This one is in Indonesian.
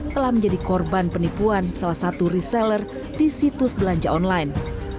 telah menjadi korban penipuan salah satu reseller di situs belanja online